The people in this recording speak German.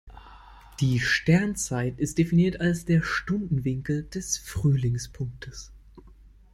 Die Sternzeit ist definiert als der Stundenwinkel des Frühlingspunktes.